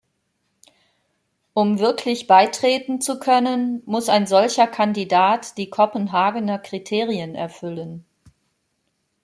Um wirklich beitreten zu können, muss ein solcher Kandidat die Kopenhagener Kriterien erfüllen.